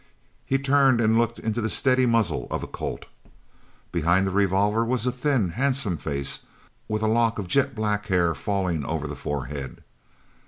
He turned and looked into the steady muzzle of a Colt. Behind that revolver was a thin, handsome face with a lock of jet black hair falling over the forehead.